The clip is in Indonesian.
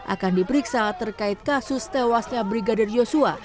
akan diperiksa terkait kasus tewasnya brigadir yosua